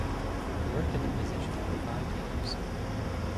He worked at the position for five years.